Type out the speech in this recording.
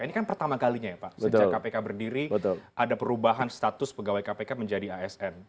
ini kan pertama kalinya ya pak sejak kpk berdiri ada perubahan status pegawai kpk menjadi asn